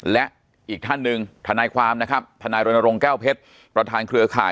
และอีกท่านหนึ่งทนายความนะครับทนายรณรงค์แก้วเพชรประธานเครือข่าย